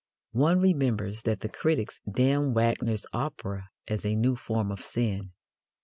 One remembers that the critics damned Wagner's operas as a new form of sin.